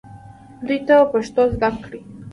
دوی ته پښتو زده کړئ